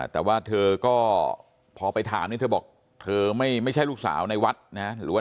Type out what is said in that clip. แต่ว่าเธอก็พอไปถามเนี่ยเธอบอกเธอไม่ใช่ลูกสาวในวัดนะหรือว่า